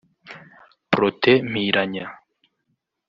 Protais Mpiranya